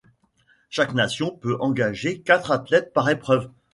Chaque nation peut engager quatre athlètes par épreuve.